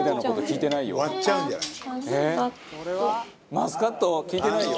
「マスカット？聞いてないよ」